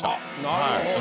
なるほど。